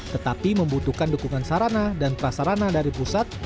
tetapi membutuhkan dukungan sarana dan prasarana dari pusat